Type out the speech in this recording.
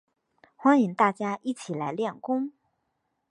欢迎大家一起来练功